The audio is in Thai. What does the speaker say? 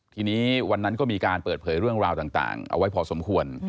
ทีนี้วันนั้นก็มีการเปิดเผยเรื่องราวต่างเอาไว้พอสมควร